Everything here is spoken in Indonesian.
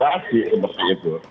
tak asli seperti itu